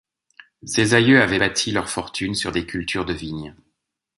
Ses aïeux avaient bâti leur fortune sur des cultures de vignes.